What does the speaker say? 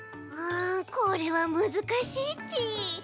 これはむずかしいち。